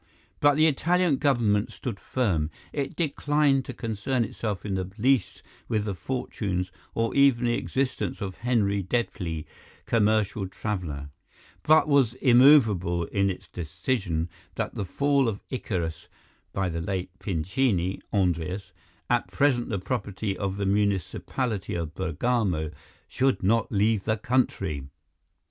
But the Italian Government stood firm; it declined to concern itself in the least with the fortunes or even the existence of Henri Deplis, commercial traveller, but was immovable in its decision that the Fall of Icarus (by the late Pincini, Andreas) at present the property of the municipality of Bergamo, should not leave the country.